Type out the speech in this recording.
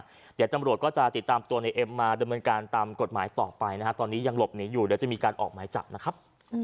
เดี๋ยวตำรวจก็จะติดตามตัวในเอ็มมาดำเนินการตามกฎหมายต่อไปนะฮะตอนนี้ยังหลบหนีอยู่เดี๋ยวจะมีการออกหมายจับนะครับ